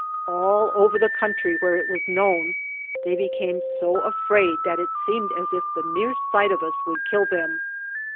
All over the country, where it was known, they became so afraid that it seemed as if the mere sight of us would kill them.